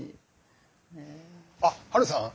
あっハルさん！